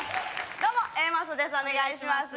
どうもお願いします